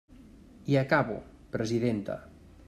I acabo, presidenta.